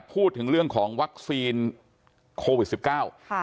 พูดถึงเรื่องของวัคซีนโควิด๑๙